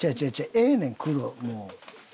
ええねん黒もう。